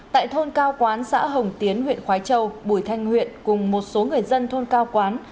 tại thôn cao quán xã hồng tiến huyện khói châu bùi thanh huyện cùng một số người dân thôn cao quán